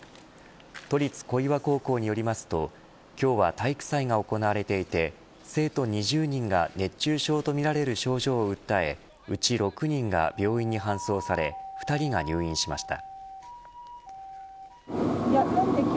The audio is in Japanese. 都立小岩高校によりますと今日は体育祭が行われていて生徒２０人が熱中症とみられる症状を訴えうち６人が病院に搬送され２人が入院しました。